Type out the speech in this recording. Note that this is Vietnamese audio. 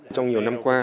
trong nhiều năm qua